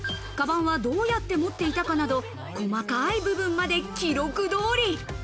鞄はどうやって持っていたかなど、細かい部分まで記録通り。